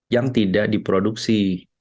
yang tidak diproduksi